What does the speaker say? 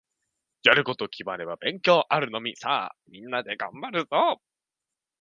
やること決まれば勉強あるのみ。